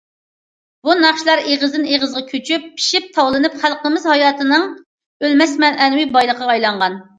بۇ ناخشىلار ئېغىزدىن ئېغىزغا كۆچۈپ، پىشىپ تاۋلىنىپ، خەلقىمىز ھاياتىنىڭ ئۆلمەس مەنىۋى بايلىقىغا ئايلانغان.